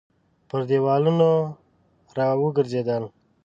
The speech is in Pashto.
پر دېوالونو راوګرځېد.